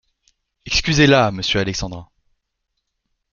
Excusez-la, monsieur Alexandrin…